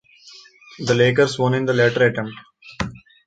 The Lakers won in the latter attempt.